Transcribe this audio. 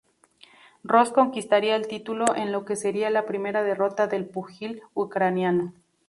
Ross conquistaría el título en lo que sería la primera derrota del púgil ucraniano.